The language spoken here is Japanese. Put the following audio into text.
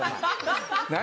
何？